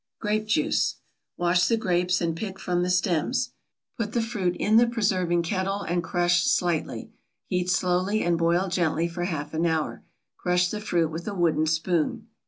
GRAPE JUICE. Wash the grapes and pick from the stems. Put the fruit in the preserving kettle and crush slightly. Heat slowly and boil gently for half an hour. Crush the fruit with a wooden spoon.